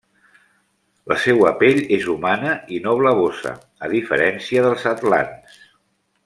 La seua pell és humana i no blavosa, a diferència dels atlants.